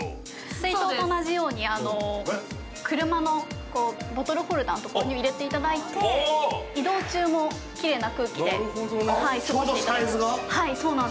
水筒と同じように車のボトルフォルダーとかに入れていただいて移動中もきれいな空気で過ごしていただけます。